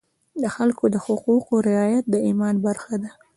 د خلکو د حقونو رعایت د ایمان برخه ده.